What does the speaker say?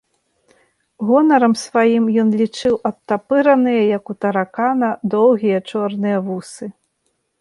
Гонарам сваім ён лічыў адтапыраныя, як у таракана, доўгія чорныя вусы.